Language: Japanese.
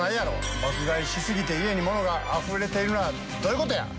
爆買いしすぎて家にものが溢れているのはどういう事や！